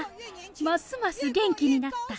ますます元気になった。